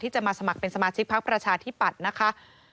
จะมาสมัครเป็นสมาชิกพักประชาธิปัตย์นะคะ